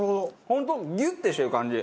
本当ギュッてしてる感じ。